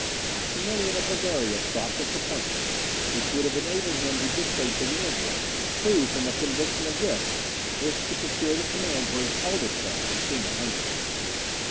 Maximilian of Bavaria sought this appointment, which would have enabled him to dictate to the Emperor, who, from a conviction of this, wished to procure the command for his eldest son, the King of Hungary.